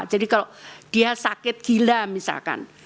jadi kalau dia sakit gila misalkan